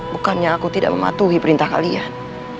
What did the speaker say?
bukannya aku tidak mematuhi perintah kalian